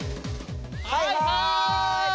はいはい！